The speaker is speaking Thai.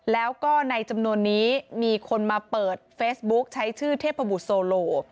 แล้วก็ในจำนวนนี้มีคนมาเปิดเฟซบุ๊คใช้ชื่อเทพบุตรโซโล